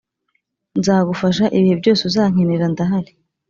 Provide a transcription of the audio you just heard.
nzagufasha ibihe byose uzankenera ndahari